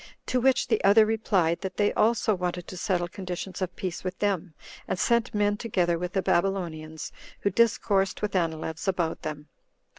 To which the other replied, that they also wanted to settle conditions of peace with them, and sent men together with the Babylonians, who discoursed with Anileus about them.